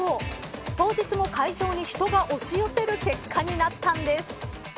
当日も会場に人が押し寄せる結果になったんです。